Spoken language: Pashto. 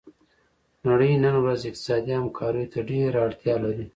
نړۍ نن ورځ اقتصادي همکاریو ته ډیره اړتیا لري